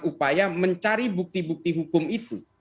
upaya mencari bukti bukti hukum itu